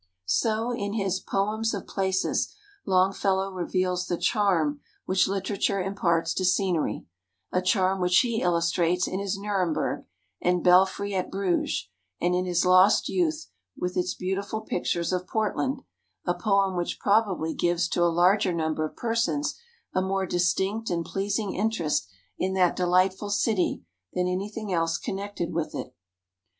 So in his "Poems of Places" Longfellow reveals the charm which literature imparts to scenery a charm which he illustrates in his "Nuremberg" and "Belfry at Bruges," and in his "Lost Youth," with its beautiful pictures of Portland, a poem which probably gives to a larger number of persons a more distinct and pleasing interest in that delightful city than anything else connected with it.